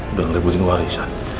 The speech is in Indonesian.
udah ngerebutin warisan